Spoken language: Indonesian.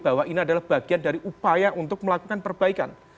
bahwa ini adalah bagian dari upaya untuk melakukan perbaikan